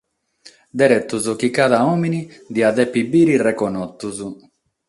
Deretos chi cada òmine diat dèvere bìdere reconnotos.